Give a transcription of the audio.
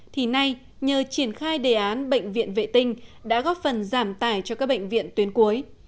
thì nay nhờ triển khai đề án bệnh viện vệ tinh đã góp phần giảm tải cho các bệnh viện tuyến cuối